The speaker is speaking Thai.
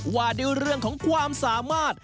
ว่าด้วยเรื่องของความสามารถ